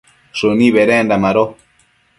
shëni bedenda mado